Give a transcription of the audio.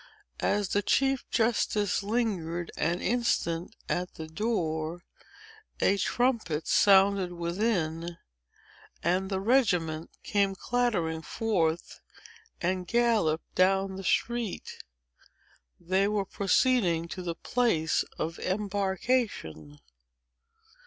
As the chief justice lingered an instant at the door, a trumpet sounded within, and the regiment came clattering forth, and galloped down the street. They were proceeding to the place of embarkation.